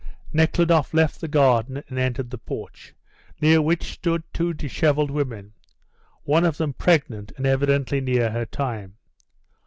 Nekhludoff left the garden and entered the porch, near which stood two dishevelled women one of them pregnant and evidently near her time.